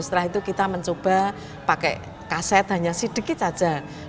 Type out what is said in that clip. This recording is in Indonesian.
setelah itu kita mencoba pakai kaset hanya sedikit saja